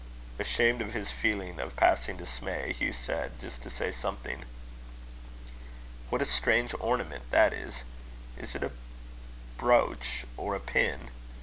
Ashamed of his feeling of passing dismay, Hugh said, just to say something: "What a strange ornament that is! Is it a brooch or a pin?